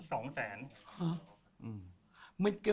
ตอนนี้๒๐๐๐๐๐